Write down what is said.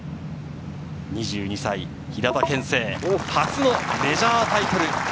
２２歳、平田憲聖、初のメジャータイトル！